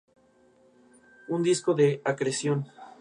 Su período de información abarca desde la Edad Media hasta el presente.